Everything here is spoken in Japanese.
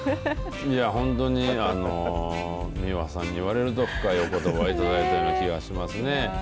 いや本当に美輪さんに言われると深いおことばいただいてる気がしますね。